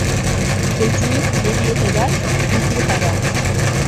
Çocuğun yediği helal, giydiği haram.